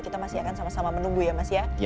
kita masih akan sama sama menunggu ya mas ya